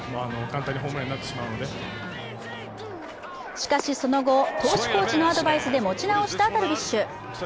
しかし、その後、投手コーチのアドバイスで持ち直したダルビッシュ。